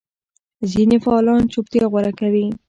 ځینې فعالان چوپتیا غوره کوي.